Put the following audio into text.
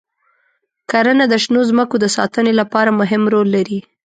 کرنه د شنو ځمکو د ساتنې لپاره مهم رول لري.